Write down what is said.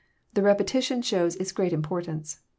The repetition shows its great importance.